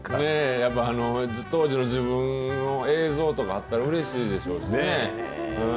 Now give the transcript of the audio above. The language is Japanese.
やっぱ当時の自分の映像とかあったらうれしいでしょうしね。